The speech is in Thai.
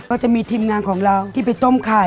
ก็จะมีทีมงานของเราที่ไปต้มไข่